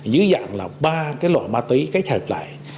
dưới dạng là ba cái loại ma túy kết hợp lại